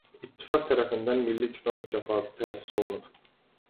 İttifaq tərəfindən Milli Kino Mükafatı təsis olunub.